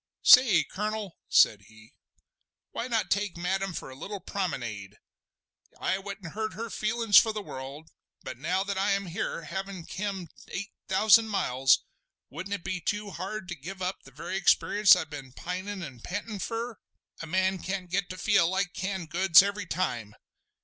"Say, Colonel," said he, "why not take Madame for a little promenade? I wouldn't hurt her feelin's for the world; but now that I am here, havin' kem eight thousand miles, wouldn't it be too hard to give up the very experience I've been pinin' an' pantin' fur? A man can't get to feel like canned goods every time!